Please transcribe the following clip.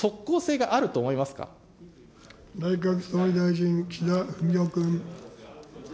けれ内閣総理大臣、岸田文雄君。